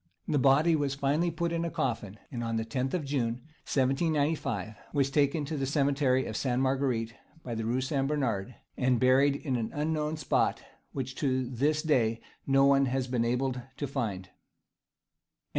The body was finally put into a coffin, and on the 10th of June, 1795, was taken to the cemetery of Sainte Marguerite, by the Rue St. Bernard, and buried in an unknown spot, which to this day no one has been enabled to find out.